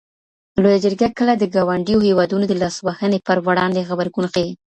لویه جرګه کله د ګاونډیو هیوادونو د لاسوهني پر وړاندي غبرګون ښيي؟